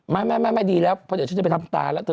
ไม่ดีแล้วเพราะเดี๋ยวฉันจะไปทำตาแล้วเธอ